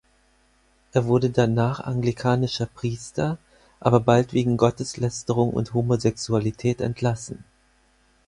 Er wurde danach anglikanischer Priester, aber bald wegen Gotteslästerung und Homosexualität entlassen.